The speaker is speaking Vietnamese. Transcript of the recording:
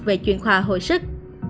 về chuyển khoa hồi sức